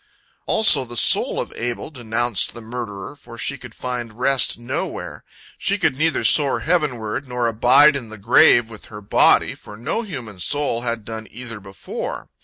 Also the soul of Abel denounced the murderer, for she could find rest nowhere. She could neither soar heavenward, nor abide in the grave with her body, for no human soul had done either before.